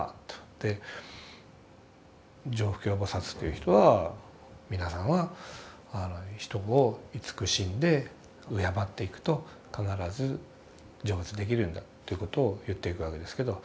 常不軽菩薩という人は皆さんは人を慈しんで敬っていくと必ず成仏できるんだということを言っていくわけですけど。